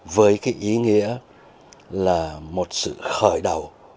với cái ý nghĩa là một sự khởi đầu